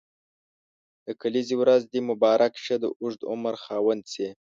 د کلیزي ورځ دي مبارک شه د اوږد عمر خاوند سي.